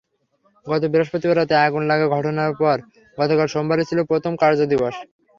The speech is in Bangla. গত বৃহস্পতিবার রাতে আগুন লাগার ঘটনার পর গতকাল সোমবারই ছিল প্রথম কার্যদিবস।